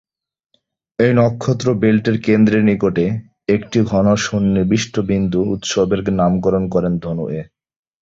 এই নক্ষত্র বেল্টের কেন্দ্রের নিকটে একটি ঘন সন্নিবিষ্ট বিন্দু উৎসের নামকরণ করেন ধনু-এ।